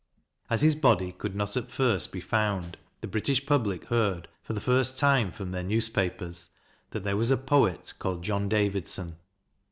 As his body could not at first be found, the British public heard, for the first time, from their newspapers, that there was a poet called John Davidson.